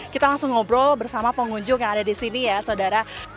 kita langsung ngobrol bersama pengunjung yang ada di sini ya saudara